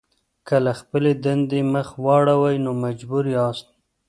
که له خپلې دندې مخ واړوئ نو مجبور یاست.